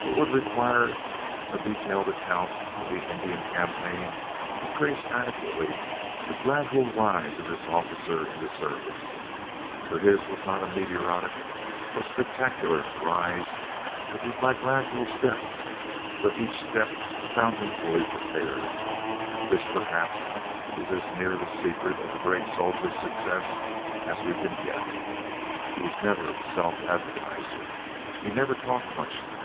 It would require a detailed account of the Indian campaign to trace adequately the gradual rise of this officer in the service. For his was not a meteoric or spectacular rise. It was by gradual steps but each step found him fully prepared. This, perhaps, is as near the secret of the great soldier's success as we can get. He was never a self advertiser. He never talked much.